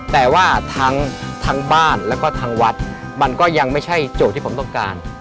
แต่ว่าทั้งบ้านแล้วก็ทางวัดมันก็ยังไม่ใช่โจทย์ที่ผมต้องการ